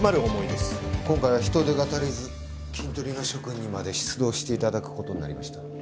今回は人手が足りずキントリの諸君にまで出動して頂く事になりました。